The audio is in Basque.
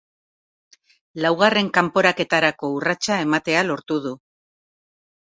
Laugarren kanporaketarako urratsa ematea lortu du.